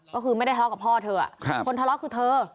ก็คือไม่ได้ทะเลาะกับพ่อเธอคนทะเลาะคือเธอ